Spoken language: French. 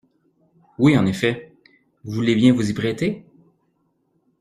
Oui, en effet. Vous voulez bien vous y prêter?